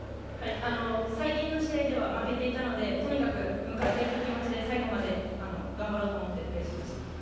最近の試合では負けていたのでとにかく向かっていく気持ちで最後まで頑張ろうと思ってプレーしました。